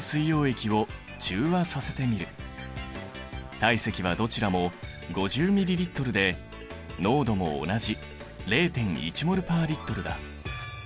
体積はどちらも５０ｍＬで濃度も同じ０．１ｍｏｌ／Ｌだ。